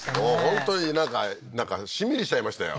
本当になんかしんみりしちゃいましたよ